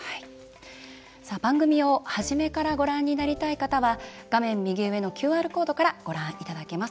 番組を始めからご覧になりたい方は画面右上のＱＲコードからご覧いただけます。